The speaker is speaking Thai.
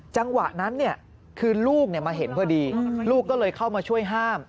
จังหวะนั้นคือลูกมาเห็นพอดีลูกก็เลยเข้ามาช่วยห้าม